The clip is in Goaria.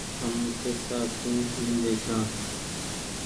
هم پئيسا سون لينڍي ڇآن ۔